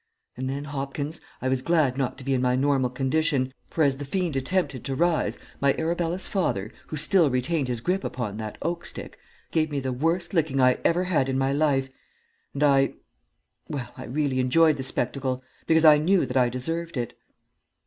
And then, Hopkins, I was glad not to be in my normal condition; for as the fiend attempted to rise my Arabella's father, who still retained his grip upon that oak stick, gave me the worst licking I ever had in my life, and I well, I really enjoyed the spectacle, because I knew that I deserved it.